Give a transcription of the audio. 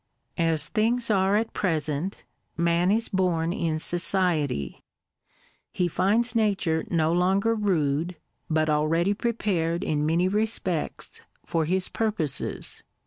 As things are at present, man is born in society. He finds Nature no longer rude, but already prepared in many respects for his purposes.